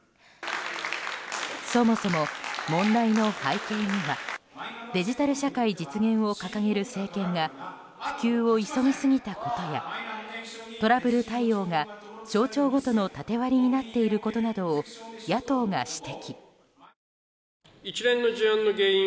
そもそも、問題の背景にはデジタル社会実現を掲げる政権が普及を急ぎすぎたことやトラブル対応が省庁ごとの縦割りになっていることなどを野党が指摘。